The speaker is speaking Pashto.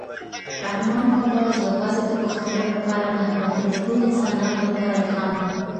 رحمان بابا یواځې د پښتنو لپاره نه، بلکې د ټولو انسانانو لپاره الهام و.